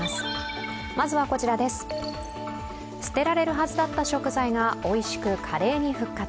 捨てられるはずだった食材がおいしく、華麗に復活。